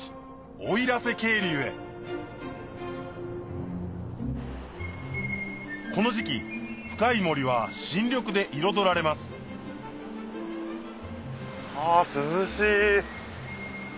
奥入瀬渓流へこの時期深い森は新緑で彩られますあ涼しい。